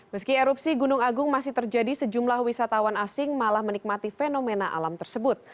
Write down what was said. meski erupsi gunung agung masih terjadi sejumlah wisatawan asing malah menikmati fenomena alam tersebut